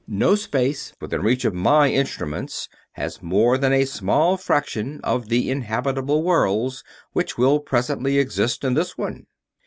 "No space within reach of my instruments has more than a small fraction of the inhabitable worlds which will presently exist in this one."